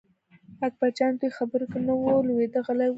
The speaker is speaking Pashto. اکبرجان د دوی خبرو کې نه ور لوېده غلی و.